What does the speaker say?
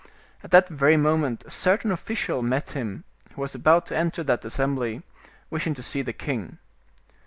At that very moment a certain official met him, who was about to enter that assembly, wishing to see the king.